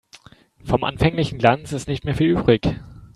Vom anfänglichen Glanz ist nicht mehr viel übrig.